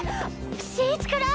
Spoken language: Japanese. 新一から！？